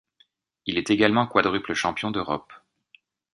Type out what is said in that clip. Il est également quadruple champion d'Europe.